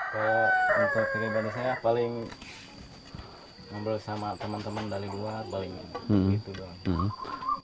kalau untuk kekiriman saya paling ngomong sama teman teman dari gua paling gitu doang